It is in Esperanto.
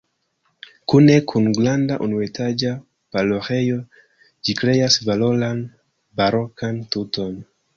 Kune kun granda unuetaĝa paroĥejo ĝi kreas valoran barokan tuton.